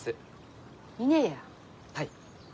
はい。